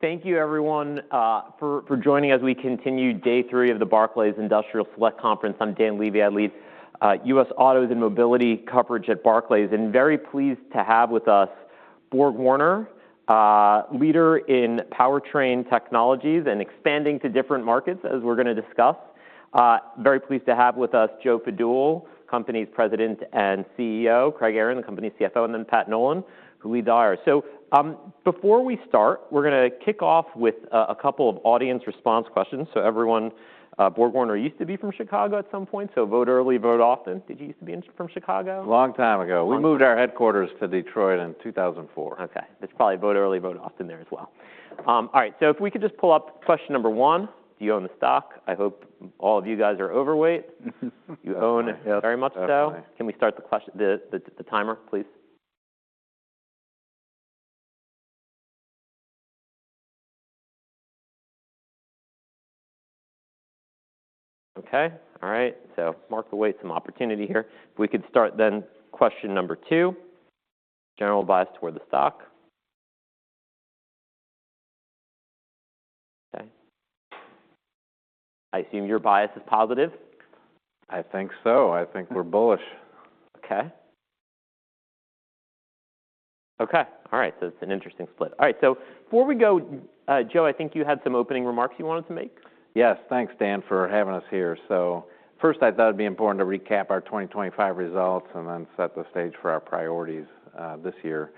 Thank you everyone, for joining as we continue Day 3 of the Barclays Industrial Select Conference. I'm Dan Levy. I lead U.S. Autos and Mobility Coverage at Barclays, and very pleased to have with us BorgWarner, leader in powertrain technologies and expanding to different markets, as we're gonna discuss. Very pleased to have with us, Joe Fadool, company's President and CEO, Craig Aaron, the company's CFO, and then Pat Nolan, who leads IR. So, before we start, we're gonna kick off with a couple of audience response questions. So everyone, BorgWarner used to be from Chicago at some point, so vote early, vote often. Did you used to be from Chicago? Long time ago. Long time. We moved our headquarters to Detroit in 2004. Okay. It's probably vote early, vote often there as well. All right, so if we could just pull up question number one: Do you own the stock? I hope all of you guys are overweight. You own- Yep. Very much so. Definitely. Can we start the timer, please? Okay. All right, so mark the weight, some opportunity here. If we could start then, question number two: General bias toward the stock. Okay. I assume your bias is positive? I think so. I think we're bullish. Okay. Okay, all right. So it's an interesting split. All right, so before we go, Joe, I think you had some opening remarks you wanted to make. Yes. Thanks, Dan, for having us here. So first, I thought it'd be important to recap our 2025 results and then set the stage for our priorities this year.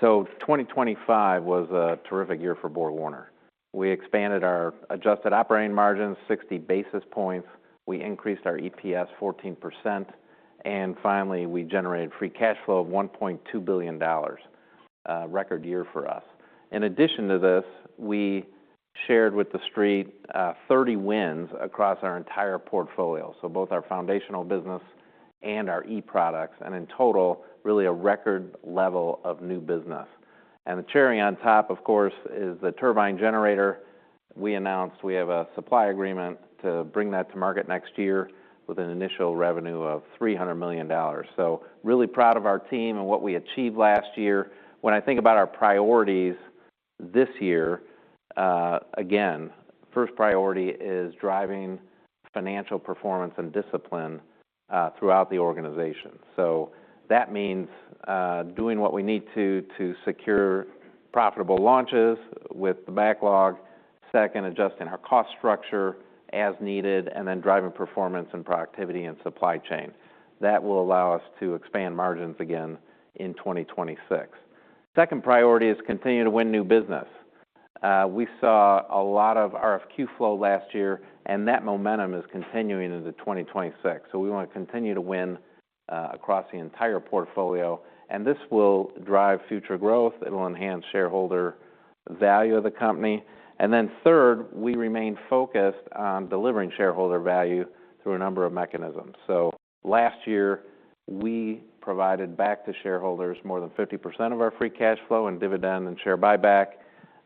So 2025 was a terrific year for BorgWarner. We expanded our adjusted operating margins 60 basis points. We increased our EPS 14%, and finally, we generated free cash flow of $1.2 billion, record year for us. In addition to this, we shared with the street 30 wins across our entire portfolio, so both our foundational business and our eProducts, and in total, really a record level of new business. And the cherry on top, of course, is the turbine generator. We announced we have a supply agreement to bring that to market next year with an initial revenue of $300 million. So really proud of our team and what we achieved last year. When I think about our priorities this year, again, first priority is driving financial performance and discipline, throughout the organization. So that means, doing what we need to, to secure profitable launches with the backlog. Second, adjusting our cost structure as needed, and then driving performance and productivity and supply chain. That will allow us to expand margins again in 2026. Second priority is continue to win new business. We saw a lot of RFQ flow last year, and that momentum is continuing into 2026. So we wanna continue to win, across the entire portfolio, and this will drive future growth. It will enhance shareholder value of the company. And then third, we remain focused on delivering shareholder value through a number of mechanisms. So last year, we provided back to shareholders more than 50% of our free cash flow and dividend and share buyback.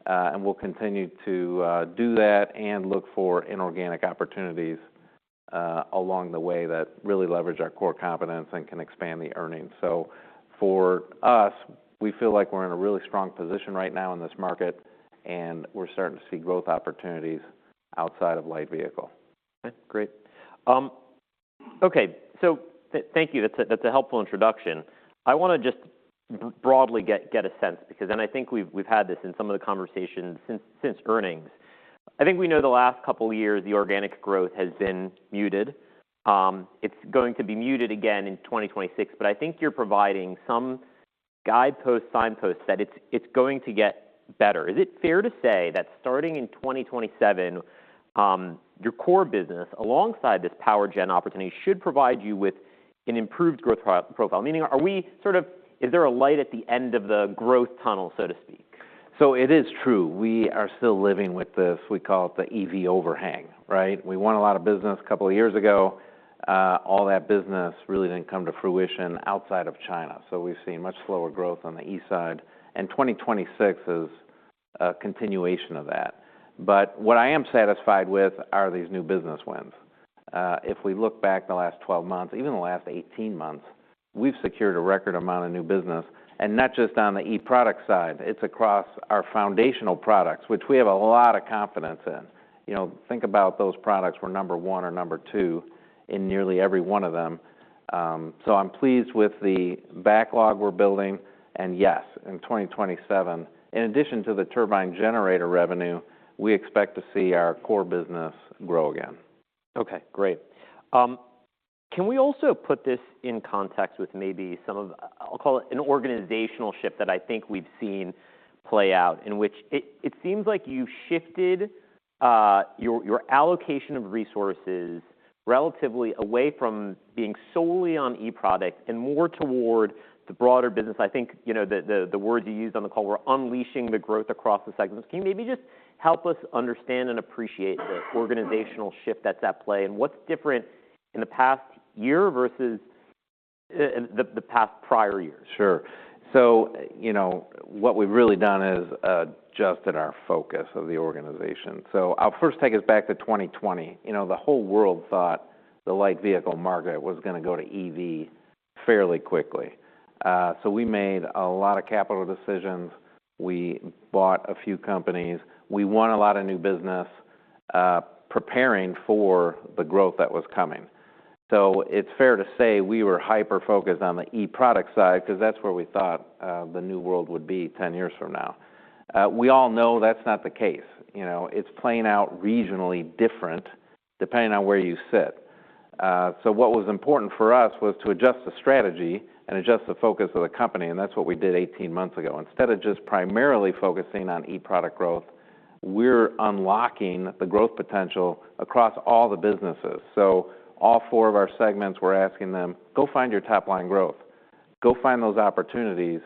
And we'll continue to do that and look for inorganic opportunities along the way that really leverage our core competence and can expand the earnings. So for us, we feel like we're in a really strong position right now in this market, and we're starting to see growth opportunities outside of light vehicle. Okay, great. Okay, so thank you. That's a, that's a helpful introduction. I wanna just broadly get a sense, because... And I think we've had this in some of the conversations since earnings. I think we know the last couple of years, the organic growth has been muted. It's going to be muted again in 2026, but I think you're providing some guidepost, signposts, that it's going to get better. Is it fair to say that starting in 2027, your core business, alongside this power gen opportunity, should provide you with an improved growth profile? Meaning, are we sort of-- is there a light at the end of the growth tunnel, so to speak? So it is true, we are still living with this, we call it the EV overhang, right? We won a lot of business a couple of years ago. All that business really didn't come to fruition outside of China, so we've seen much slower growth on the e-side, and 2026 is a continuation of that. But what I am satisfied with are these new business wins. If we look back the last 12 months, even the last 18 months, we've secured a record amount of new business, and not just on the eProduct side, it's across our foundational products, which we have a lot of confidence in. You know, think about those products were number one or number two in nearly every one of them. So, I'm pleased with the backlog we're building, and yes, in 2027, in addition to the turbine generator revenue, we expect to see our core business grow again. Okay, great. Can we also put this in context with maybe some of the-- I'll call it an organizational shift that I think we've seen play out, in which it seems like you shifted your allocation of resources relatively away from being solely on eProducts and more toward the broader business. I think, you know, the words you used on the call were "unleashing the growth across the segments." Can you maybe just help us understand and appreciate the organizational shift that's at play, and what's different in the past year versus in the past prior years? Sure. So, you know, what we've really done is adjusted our focus of the organization. So I'll first take us back to 2020. You know, the whole world thought the light vehicle market was gonna go to EV fairly quickly. So we made a lot of capital decisions. We bought a few companies. We won a lot of new business preparing for the growth that was coming. So it's fair to say we were hyper-focused on the eProduct side, 'cause that's where we thought the new world would be 10 years from now. We all know that's not the case, you know. It's playing out regionally different, depending on where you sit. So what was important for us was to adjust the strategy and adjust the focus of the company, and that's what we did 18 months ago. Instead of just primarily focusing on eProduct growth, we're unlocking the growth potential across all the businesses. So all four of our segments, we're asking them, "Go find your top-line growth. Go find those opportunities,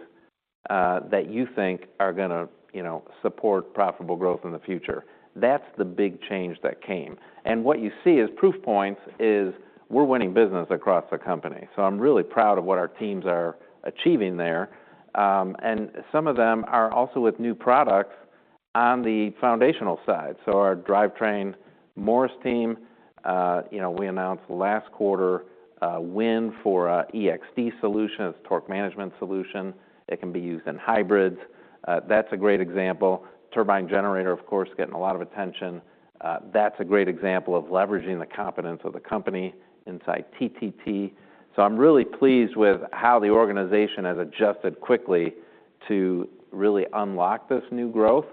that you think are gonna, you know, support profitable growth in the future." That's the big change that came. And what you see as proof points is we're winning business across the company. So I'm really proud of what our teams are achieving there. And some of them are also with new products on the foundational side. So our Drivetrain Morse team, you know, we announced last quarter a win for a eXD solution. It's a torque management solution. It can be used in hybrids. That's a great example. Turbine generator, of course, getting a lot of attention. That's a great example of leveraging the competence of the company inside TTT. So I'm really pleased with how the organization has adjusted quickly to really unlock this new growth.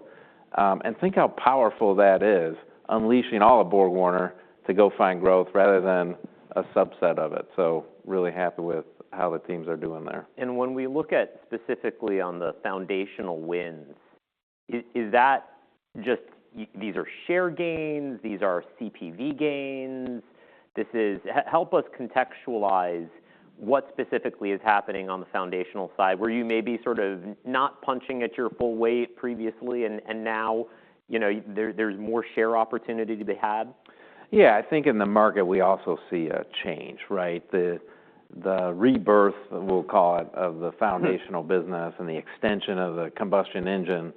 And think how powerful that is, unleashing all of BorgWarner to go find growth rather than a subset of it. So really happy with how the teams are doing there. When we look at specifically on the foundational wins, is that just these are share gains, these are CPV gains? This is... help us contextualize what specifically is happening on the foundational side, where you may be sort of not punching at your full weight previously, and, and now, you know, there, there's more share opportunity to be had? Yeah. I think in the market, we also see a change, right? The rebirth, we'll call it, of the foundational- Sure... business and the extension of the combustion engine,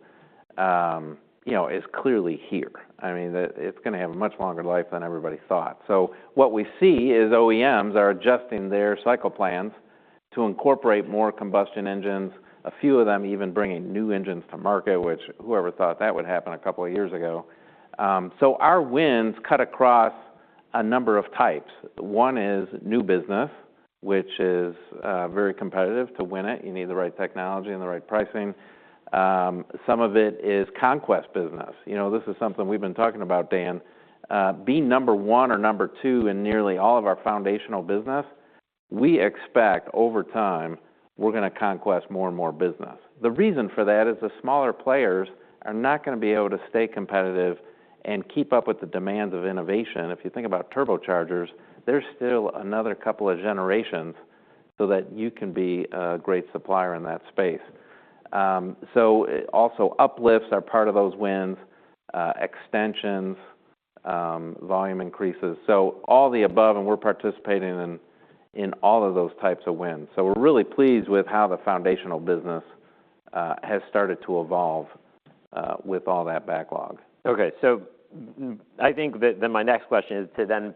you know, is clearly here. I mean, it's gonna have a much longer life than everybody thought. So what we see is OEMs are adjusting their cycle plans to incorporate more combustion engines, a few of them even bringing new engines to market, which whoever thought that would happen a couple of years ago? So our wins cut across a number of types. One is new business, which is very competitive. To win it, you need the right technology and the right pricing. Some of it is conquest business. You know, this is something we've been talking about, Dan. Being number one or number two in nearly all of our foundational business, we expect, over time, we're gonna conquest more and more business. The reason for that is the smaller players are not gonna be able to stay competitive and keep up with the demands of innovation. If you think about turbochargers, there's still another couple of generations so that you can be a great supplier in that space. So it also uplifts are part of those wins, extensions, volume increases. So all the above, and we're participating in, in all of those types of wins. So we're really pleased with how the foundational business has started to evolve, with all that backlog. Okay. So I think that then my next question is to then,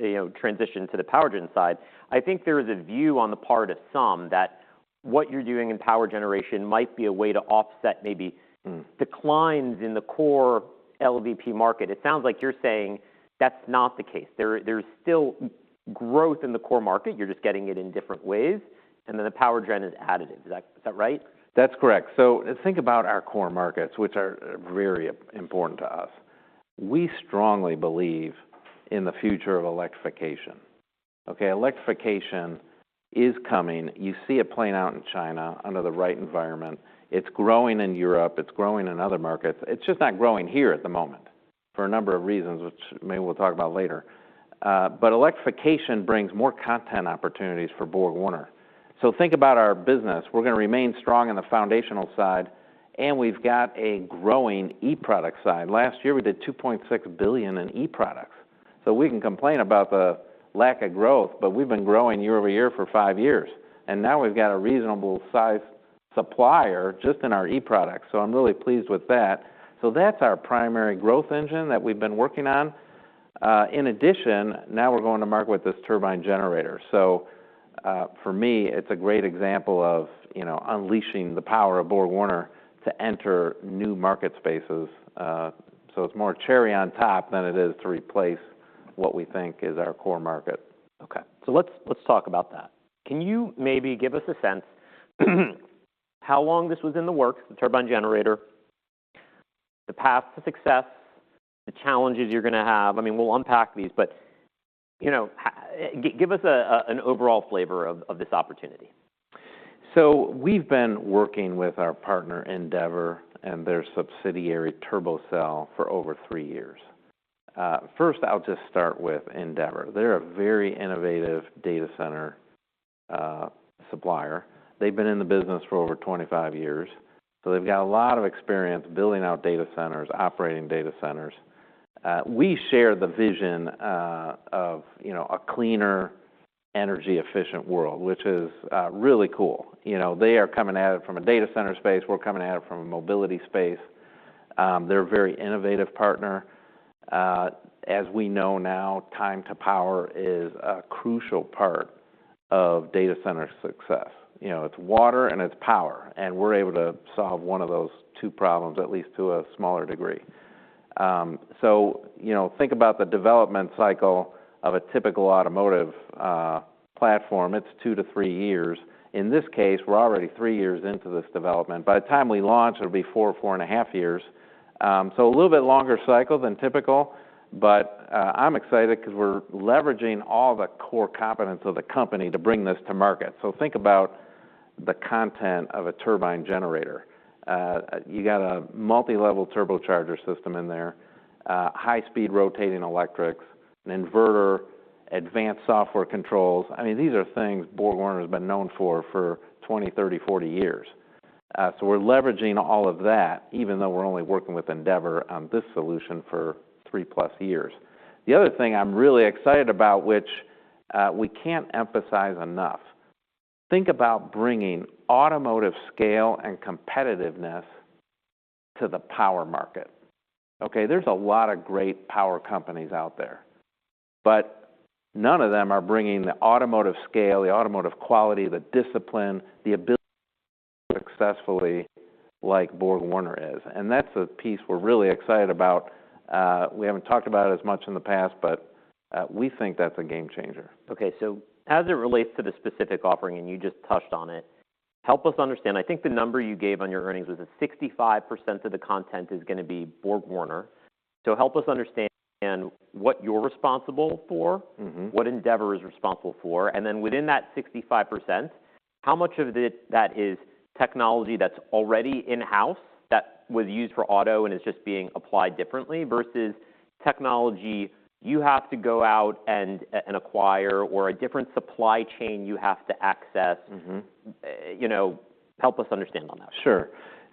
you know, transition to the power gen side. I think there is a view on the part of some that what you're doing in power generation might be a way to offset maybe declines in the core LVP market. It sounds like you're saying that's not the case. There is, there's still more growth in the core market, you're just getting it in different ways, and then the power gen is additive. Is that, is that right? That's correct. So think about our core markets, which are very important to us. We strongly believe in the future of electrification, okay? Electrification is coming. You see it playing out in China under the right environment. It's growing in Europe. It's growing in other markets. It's just not growing here at the moment, for a number of reasons, which maybe we'll talk about later. But electrification brings more content opportunities for BorgWarner. So think about our business. We're gonna remain strong in the foundational side, and we've got a growing eProduct side. Last year, we did $2.6 billion in eProducts. So we can complain about the lack of growth, but we've been growing year-over-year for five years, and now we've got a reasonable-sized supplier just in our eProducts, so I'm really pleased with that. So that's our primary growth engine that we've been working on. In addition, now we're going to market with this turbine generator. So, for me, it's a great example of, you know, unleashing the power of BorgWarner to enter new market spaces. So it's more cherry on top than it is to replace what we think is our core market. Okay. So let's talk about that. Can you maybe give us a sense, how long this was in the works, the turbine generator, the path to success, the challenges you're gonna have? I mean, we'll unpack these, but, you know, give us an overall flavor of this opportunity. So we've been working with our partner, Endeavour, and their subsidiary, TurboCell, for over three years. First, I'll just start with Endeavour. They're a very innovative data center supplier. They've been in the business for over 25 years, so they've got a lot of experience building out data centers, operating data centers. We share the vision of, you know, a cleaner, energy-efficient world, which is really cool. You know, they are coming at it from a data center space, we're coming at it from a mobility space. They're a very innovative partner. As we know now, time to power is a crucial part of data center success. You know, it's water and it's power, and we're able to solve one of those two problems, at least to a smaller degree. So, you know, think about the development cycle of a typical automotive platform. It's two to three years. In this case, we're already three years into this development. By the time we launch, it'll be 4-4.5 years. So a little bit longer cycle than typical, but I'm excited 'cause we're leveraging all the core competence of the company to bring this to market. So think about the content of a turbine generator. You got a multi-level turbocharger system in there, high-speed rotating electrics, an inverter, advanced software controls. I mean, these are things BorgWarner has been known for, for 20, 30, 40 years. So we're leveraging all of that, even though we're only working with Endeavour on this solution for 3+ years. The other thing I'm really excited about, which, we can't emphasize enough: think about bringing automotive scale and competitiveness to the power market, okay? There's a lot of great power companies out there, but none of them are bringing the automotive scale, the automotive quality, the discipline, the ability successfully like BorgWarner is, and that's the piece we're really excited about. We haven't talked about it as much in the past, but, we think that's a game changer. Okay. So as it relates to the specific offering, and you just touched on it, help us understand... I think the number you gave on your earnings was that 65% of the content is gonna be BorgWarner. So help us understand what you're responsible for. What Endeavour is responsible for, and then within that 65%, how much of it—that is technology that's already in-house, that was used for auto and is just being applied differently, versus technology you have to go out and, and acquire, or a different supply chain you have to access? You know, help us understand on that. Sure.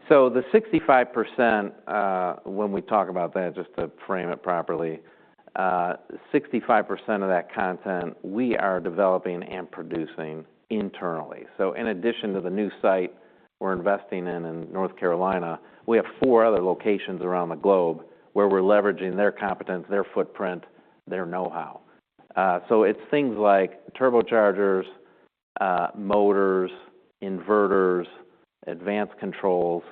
So the 65%, when we talk about that, just to frame it properly, 65% of that content, we are developing and producing internally. So in addition to the new site we're investing in in North Carolina, we have four other locations around the globe where we're leveraging their competence, their footprint, their know-how. So it's things like turbochargers, motors, inverters, advanced controls,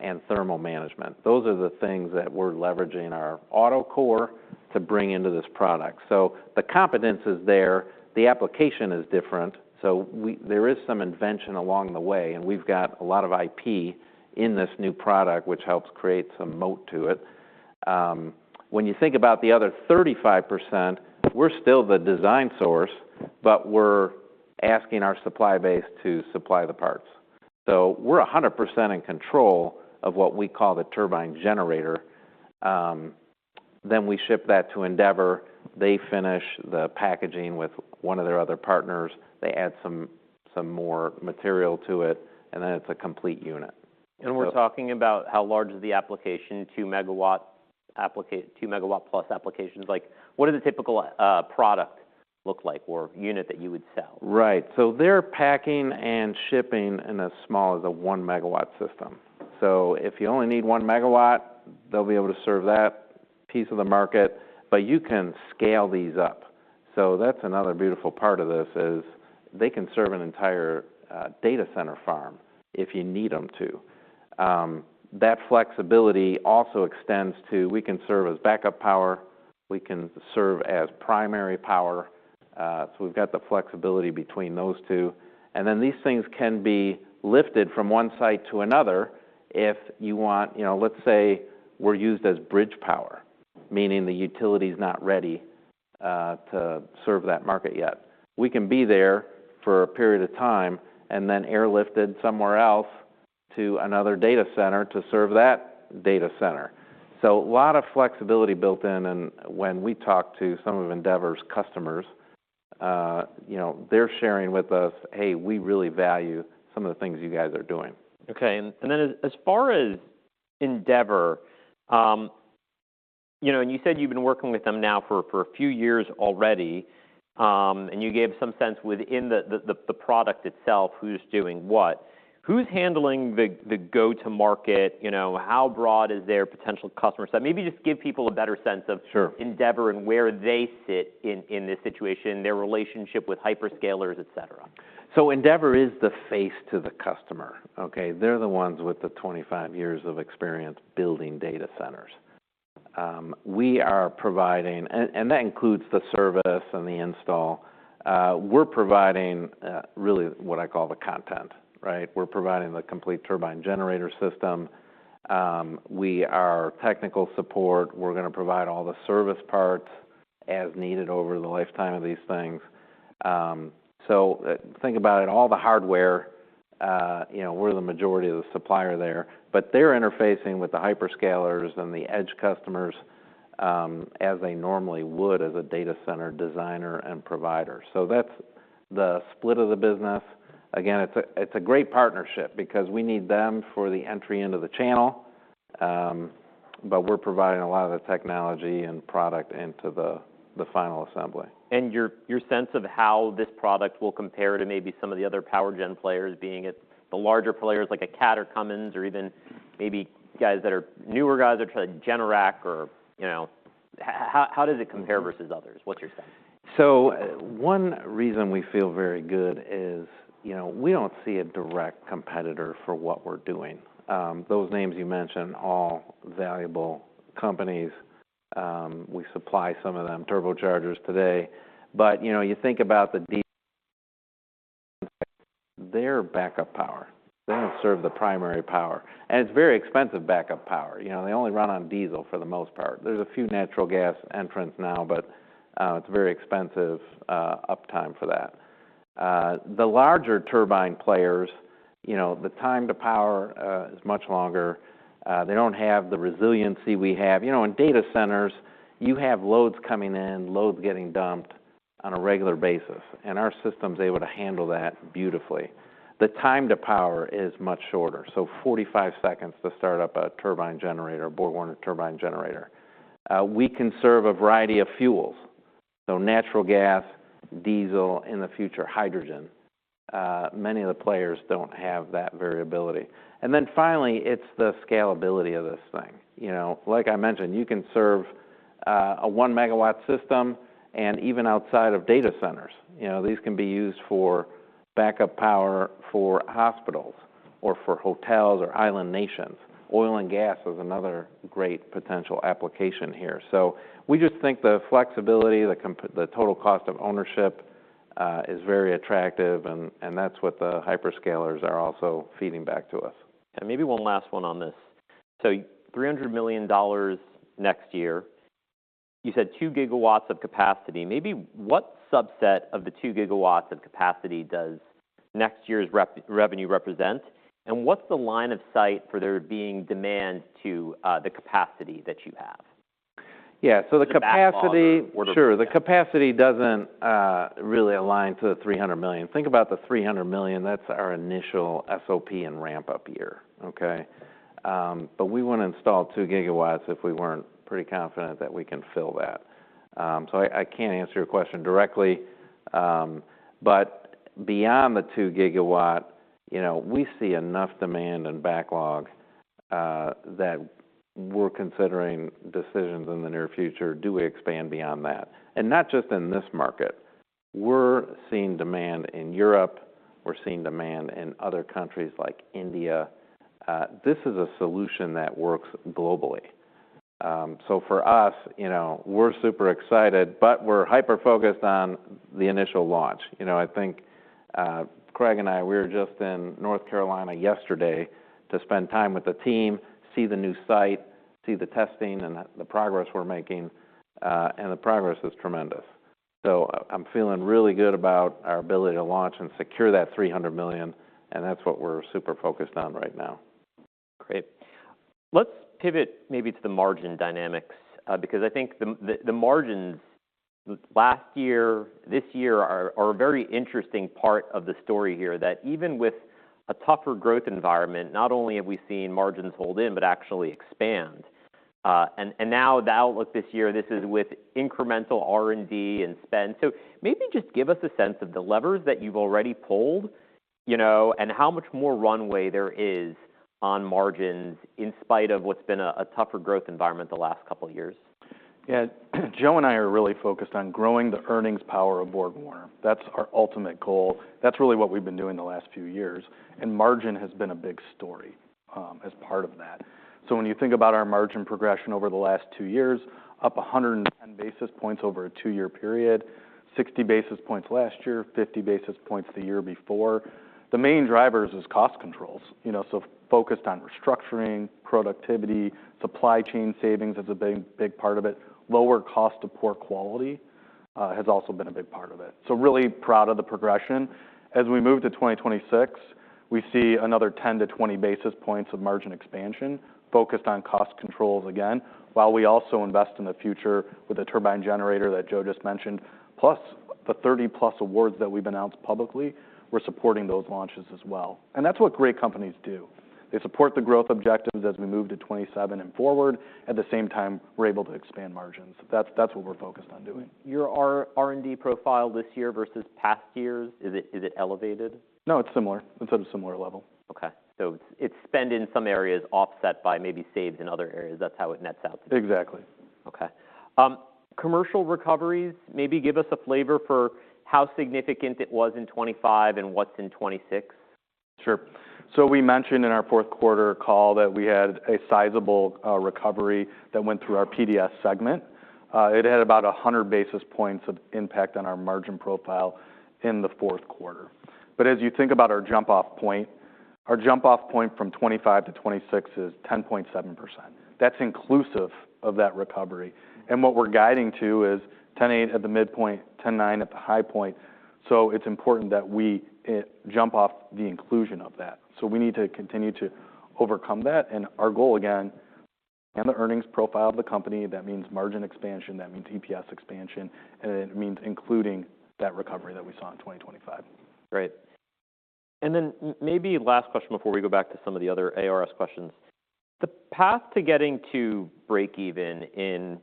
and thermal management. Those are the things that we're leveraging our auto core to bring into this product. So the competence is there, the application is different, so there is some invention along the way, and we've got a lot of IP in this new product, which helps create some moat to it. When you think about the other 35%, we're still the design source, but we're asking our supply base to supply the parts. So we're 100% in control of what we call the turbine generator. Then we ship that to Endeavour, they finish the packaging with one of their other partners, they add some more material to it, and then it's a complete unit. So- We're talking about how large is the application, 2 MW+ applications? Like, what does a typical product look like or unit that you would sell? Right. So they're packing and shipping in as small as a 1 MW system. So if you only need 1 MW, they'll be able to serve that piece of the market, but you can scale these up. So that's another beautiful part of this, is they can serve an entire data center farm if you need them to. That flexibility also extends to, we can serve as backup power, we can serve as primary power, so we've got the flexibility between those two. And then these things can be lifted from one site to another if you want. You know, let's say we're used as bridge power, meaning the utility's not ready to serve that market yet. We can be there for a period of time, and then airlifted somewhere else to another data center to serve that data center. So a lot of flexibility built in, and when we talk to some of Endeavour's customers, you know, they're sharing with us, "Hey, we really value some of the things you guys are doing. Okay. Then as far as Endeavour, you know, and you said you've been working with them now for a few years already, and you gave some sense within the product itself, who's doing what. Who's handling the go-to-market? You know, how broad is their potential customer set? Maybe just give people a better sense of- Sure... Endeavour and where they sit in this situation, their relationship with hyperscalers, et cetera. So Endeavour is the face to the customer, okay? They're the ones with the 25 years of experience building data centers. We are providing, and that includes the service and the install. We're providing, really what I call the content, right? We're providing the complete turbine generator system. We are technical support. We're gonna provide all the service parts as needed over the lifetime of these things. Think about it, all the hardware, you know, we're the majority of the supplier there. But they're interfacing with the hyperscalers and the edge customers, as they normally would as a data center designer and provider. So that's the split of the business. Again, it's a great partnership because we need them for the entry into the channel. But we're providing a lot of the technology and product into the final assembly. Your sense of how this product will compare to maybe some of the other power gen players, being it's the larger players like a CAT or Cummins, or even maybe guys that are newer guys that are like Generac or, you know, how does it compare versus others? What's your sense? So one reason we feel very good is, you know, we don't see a direct competitor for what we're doing. Those names you mentioned, all valuable companies. We supply some of them turbochargers today. But, you know, you think about their backup power, they don't serve the primary power, and it's very expensive backup power. You know, they only run on diesel for the most part. There's a few natural gas entrants now, but it's very expensive uptime for that. The larger turbine players, you know, the time to power is much longer. They don't have the resiliency we have. You know, in data centers, you have loads coming in, loads getting dumped on a regular basis, and our system's able to handle that beautifully. The time to power is much shorter, so 45 seconds to start up a turbine generator, BorgWarner turbine generator. We can serve a variety of fuels, so natural gas, diesel, in the future, hydrogen. Many of the players don't have that variability. And then finally, it's the scalability of this thing. You know, like I mentioned, you can serve a 1 MW system, and even outside of data centers. You know, these can be used for backup power for hospitals, or for hotels, or island nations. Oil and gas is another great potential application here. So we just think the flexibility, the total cost of ownership is very attractive, and that's what the hyperscalers are also feeding back to us. Maybe one last one on this. $300 million next year, you said 2 GW of capacity. Maybe what subset of the 2 GW of capacity does next year's revenue represent? And what's the line of sight for there being demand to the capacity that you have? Yeah, so the capacity- Or sure. The capacity doesn't really align to the 300 million. Think about the 300 million, that's our initial SOP and ramp-up year, okay? But we wouldn't install 2 GW if we weren't pretty confident that we can fill that. So I can't answer your question directly, but beyond the 2 GW, you know, we see enough demand and backlog that we're considering decisions in the near future. Do we expand beyond that? And not just in this market. We're seeing demand in Europe, we're seeing demand in other countries like India. This is a solution that works globally. So for us, you know, we're super excited, but we're hyper-focused on the initial launch. You know, I think, Craig and I, we were just in North Carolina yesterday to spend time with the team, see the new site, see the testing and the progress we're making, and the progress is tremendous. So I'm feeling really good about our ability to launch and secure that $300 million, and that's what we're super focused on right now. Great. Let's pivot maybe to the margin dynamics, because I think the margins last year, this year are a very interesting part of the story here. That even with a tougher growth environment, not only have we seen margins hold in, but actually expand. And now the outlook this year, this is with incremental R&D and spend. So maybe just give us a sense of the levers that you've already pulled, you know, and how much more runway there is on margins, in spite of what's been a tougher growth environment the last couple of years. Yeah, Joe and I are really focused on growing the earnings power of BorgWarner. That's our ultimate goal. That's really what we've been doing the last few years, and margin has been a big story, as part of that. So when you think about our margin progression over the last two years, up 110 basis points over a two-year period, 60 basis points last year, 50 basis points the year before. The main drivers is cost controls. You know, so focused on restructuring, productivity, supply chain savings is a big, big part of it. Lower cost of poor quality has also been a big part of it. So really proud of the progression. As we move to 2026, we see another 10-20 basis points of margin expansion, focused on cost controls again, while we also invest in the future with the turbine generator that Joe just mentioned, plus the 30+ awards that we've announced publicly. We're supporting those launches as well. That's what great companies do. They support the growth objectives as we move to 2027 and forward. At the same time, we're able to expand margins. That's, that's what we're focused on doing. Your R&D profile this year versus past years, is it elevated? No, it's similar. It's at a similar level. Okay. So it's spend in some areas, offset by maybe saves in other areas. That's how it nets out? Exactly. Okay. Commercial recoveries, maybe give us a flavor for how significant it was in 2025 and what's in 2026? Sure. So we mentioned in our fourth quarter call that we had a sizable recovery that went through our PDS segment. It had about 100 basis points of impact on our margin profile in the fourth quarter. But as you think about our jump-off point, our jump-off point from 2025 to 2026 is 10.7%. That's inclusive of that recovery. And what we're guiding to is 10.8% at the midpoint, 10.9% at the high point. So it's important that we jump off the inclusion of that. So we need to continue to overcome that, and our goal, again, and the earnings profile of the company, that means margin expansion, that means EPS expansion, and it means including that recovery that we saw in 2025. Great. And then maybe last question before we go back to some of the other ARS questions. The path to getting to breakeven in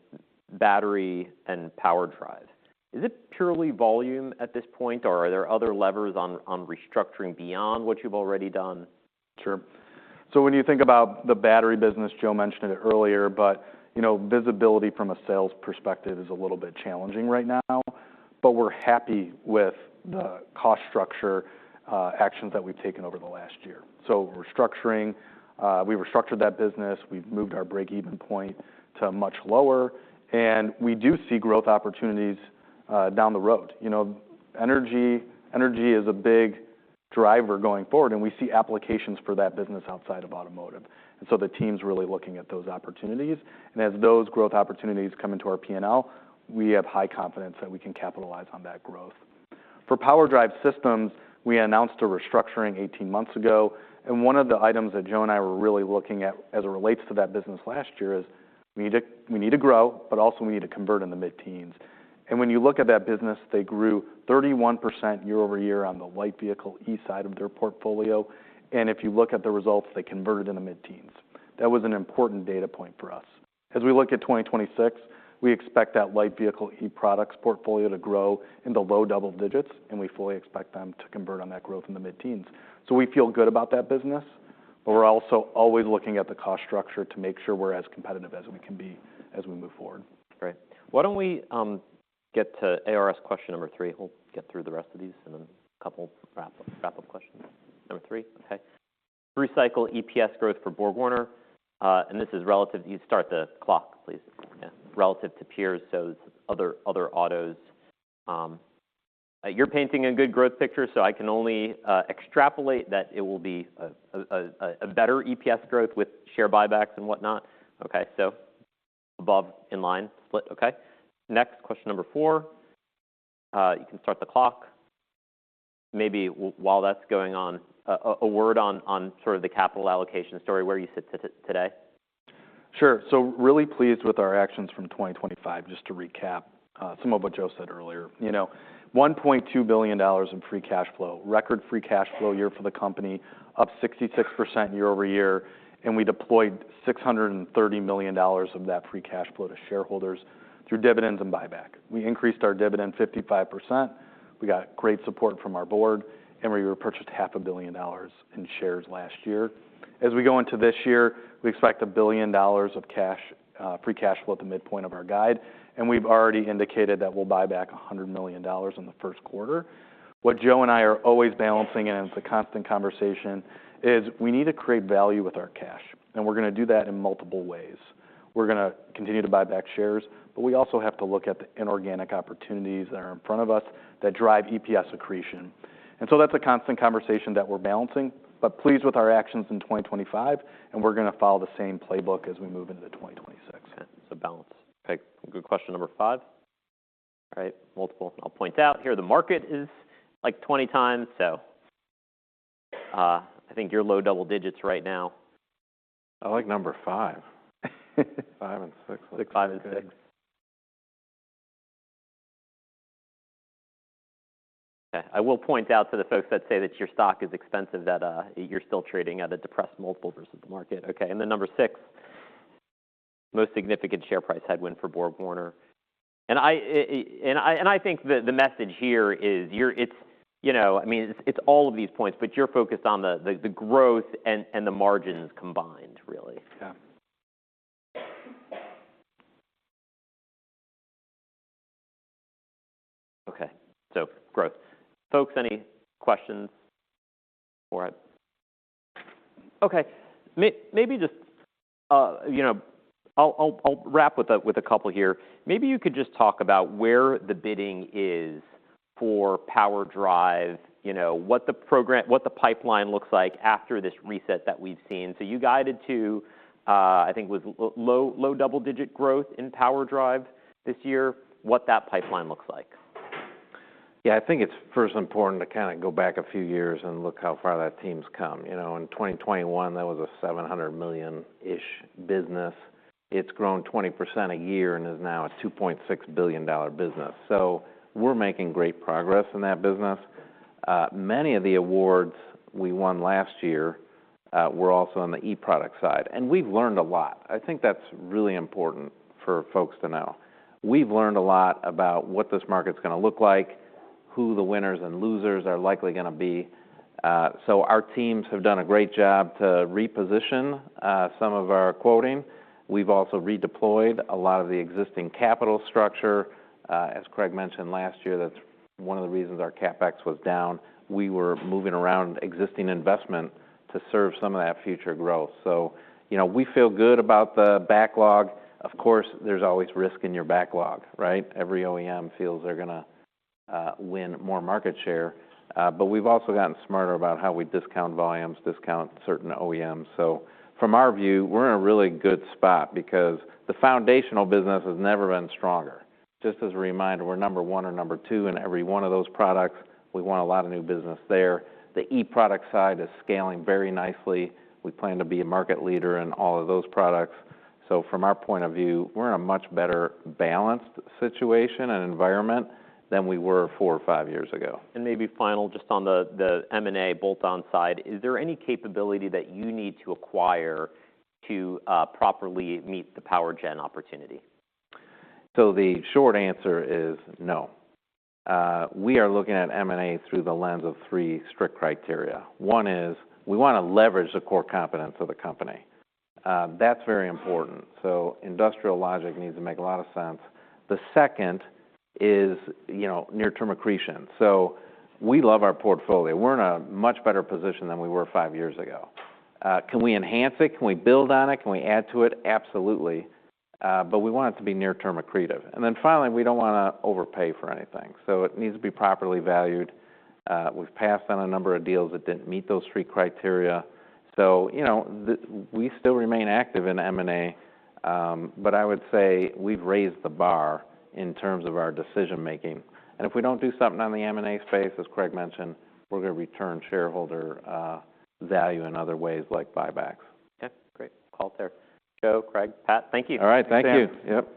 Battery and PowerDrive, is it purely volume at this point, or are there other levers on restructuring beyond what you've already done? Sure. So when you think about the battery business, Joe mentioned it earlier, but, you know, visibility from a sales perspective is a little bit challenging right now, but we're happy with the cost structure, actions that we've taken over the last year. So restructuring, we restructured that business. We've moved our breakeven point to much lower, and we do see growth opportunities, down the road. You know, energy, energy is a big driver going forward, and we see applications for that business outside of automotive, and so the team's really looking at those opportunities. And as those growth opportunities come into our P&L, we have high confidence that we can capitalize on that growth. For PowerDrive Systems, we announced a restructuring eighteen months ago, and one of the items that Joe and I were really looking at as it relates to that business last year is we need to, we need to grow, but also we need to convert in the mid-teens. And when you look at that business, they grew 31% year-over-year on the light vehicle e-side of their portfolio, and if you look at the results, they converted in the mid-teens. That was an important data point for us. As we look at 2026, we expect that light vehicle eProducts portfolio to grow in the low double digits, and we fully expect them to convert on that growth in the mid-teens. We feel good about that business, but we're also always looking at the cost structure to make sure we're as competitive as we can be as we move forward. Great. Why don't we get to ARS question number three? We'll get through the rest of these and then a couple wrap-up questions. Number three. Okay. Through cycle EPS growth for BorgWarner, and this is relative... You start the clock, please. Yeah, relative to peers, so other autos. You're painting a good growth picture, so I can only extrapolate that it will be a better EPS growth with share buybacks and whatnot. Okay, so above in line split. Okay. Next, question number four, you can start the clock. Maybe while that's going on, a word on sort of the capital allocation story, where you sit today? Sure. So really pleased with our actions from 2025, just to recap, some of what Joe said earlier. You know, $1.2 billion in free cash flow, record free cash flow year for the company, up 66% year-over-year, and we deployed $630 million of that free cash flow to shareholders through dividends and buyback. We increased our dividend 55%, we got great support from our board, and we repurchased $500 million in shares last year. As we go into this year, we expect $1 billion of cash, free cash flow at the midpoint of our guide, and we've already indicated that we'll buy back $100 million in the first quarter. What Joe and I are always balancing, and it's a constant conversation, is we need to create value with our cash, and we're gonna do that in multiple ways. We're gonna continue to buy back shares, but we also have to look at the inorganic opportunities that are in front of us that drive EPS accretion. And so that's a constant conversation that we're balancing, but pleased with our actions in 2025, and we're gonna follow the same playbook as we move into 2026. Okay, so balance. Okay, good question number five. All right, multiple. I'll point out here, the market is, like, 20x, so, I think you're low double digits right now. I like number five and six. Six, five, and six. I will point out to the folks that say that your stock is expensive, that you're still trading at a depressed multiple versus the market. Okay, and then number six, most significant share price headwind for BorgWarner. And I think the message here is you're, it's, you know, I mean, it's all of these points, but you're focused on the growth and the margins combined, really. Yeah. Okay, so growth. Folks, any questions for it? Okay. Maybe just, you know... I'll wrap with a couple here. Maybe you could just talk about where the bidding is for PowerDrive, you know, what the program—what the pipeline looks like after this reset that we've seen. So you guided to, I think it was low double-digit growth in PowerDrive this year, what that pipeline looks like. Yeah, I think it's first important to kind of go back a few years and look how far that team's come. You know, in 2021, that was a $700 million-ish business. It's grown 20% a year and is now a $2.6 billion business. So we're making great progress in that business. Many of the awards we won last year were also on the eProduct side, and we've learned a lot. I think that's really important for folks to know. We've learned a lot about what this market's gonna look like, who the winners and losers are likely gonna be. So our teams have done a great job to reposition some of our quoting. We've also redeployed a lot of the existing capital structure. As Craig mentioned last year, that's one of the reasons our CapEx was down. We were moving around existing investment to serve some of that future growth. So, you know, we feel good about the backlog. Of course, there's always risk in your backlog, right? Every OEM feels they're gonna win more market share, but we've also gotten smarter about how we discount volumes, discount certain OEMs. So from our view, we're in a really good spot because the foundational business has never been stronger. Just as a reminder, we're number one or number two in every one of those products. We want a lot of new business there. The eProduct side is scaling very nicely. We plan to be a market leader in all of those products. So from our point of view, we're in a much better-balanced situation and environment than we were four or five years ago. Maybe final, just on the M&A bolt-on side, is there any capability that you need to acquire to properly meet the power gen opportunity? So the short answer is no. We are looking at M&A through the lens of three strict criteria. One is, we wanna leverage the core competence of the company. That's very important, so industrial logic needs to make a lot of sense. The second is, you know, near-term accretion. So we love our portfolio. We're in a much better position than we were five years ago. Can we enhance it? Can we build on it? Can we add to it? Absolutely, but we want it to be near-term accretive. And then finally, we don't wanna overpay for anything, so it needs to be properly valued. We've passed on a number of deals that didn't meet those three criteria. So, you know, we still remain active in M&A, but I would say we've raised the bar in terms of our decision-making. If we don't do something on the M&A space, as Craig mentioned, we're gonna return shareholder value in other ways, like buybacks. Okay, great. Call it there. Joe, Craig, Pat, thank you. All right. Thank you. Yep.